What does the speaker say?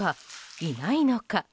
いないのか？